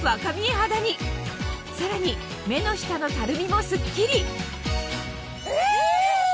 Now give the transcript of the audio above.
肌にさらに目の下のたるみもスッキリえ！